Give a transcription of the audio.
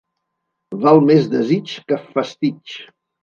Val més desig que fastig.